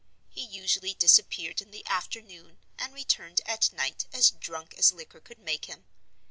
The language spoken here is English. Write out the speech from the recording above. He usually disappeared in the afternoon, and returned at night as drunk as liquor could make him.